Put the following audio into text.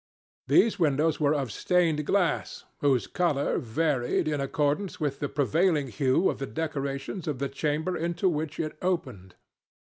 These windows were of stained glass whose color varied in accordance with the prevailing hue of the decorations of the chamber into which it opened.